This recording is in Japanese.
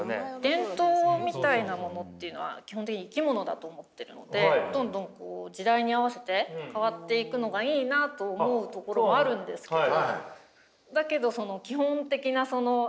伝統みたいなものっていうのは基本的に生き物だと思ってるのでどんどん時代に合わせて変わっていくのがいいなと思うところもあるんですけど。